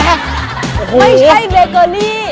ไม่ใช่เรียร์เกอร์รี่